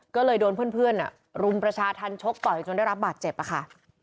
ก็เลยโดนเพื่อนรุมประชาธรรมชกต่อยจนได้รับบาดเจ็บค่ะ